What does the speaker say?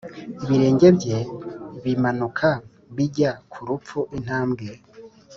Ibirenge bye bimanuka bijya ku rupfu Intambwe